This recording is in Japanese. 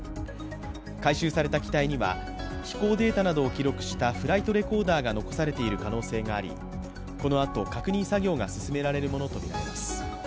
回収された機体には飛行データなどを記録したフライトレコーダーなどが残されている可能性がありこのあと確認作業が進められるものとみられます。